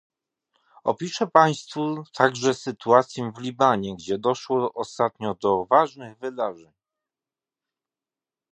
Opiszę państwu także sytuację w Libanie, gdzie doszło ostatnio do ważnych wydarzeń